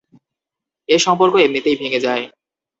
এ সম্পর্ক এমনিতেই ভেঙ্গে যায়।